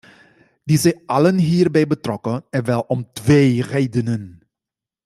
Die zijn allen hierbij betrokken, en wel om twee redenen.